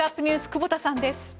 久保田さんです。